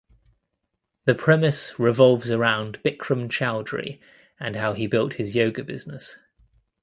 The premise revolves around Bikram Choudhury and how he built his yoga business.